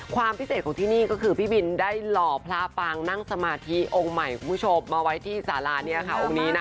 ความพิเศษของที่นี่ก็คือพี่บินได้หล่อพระปางนั่งสมาธิองค์ใหม่มาไว้ที่ศาลานี้ค่ะ